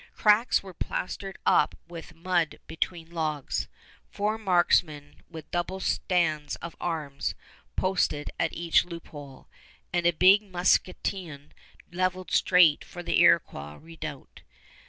Cracks were plastered up with mud between logs, four marksmen with double stands of arms posted at each loophole, and a big musketoon leveled straight for the Iroquois redoubt.